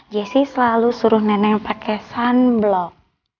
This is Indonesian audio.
jessi selalu suruh nenek pakai sunblock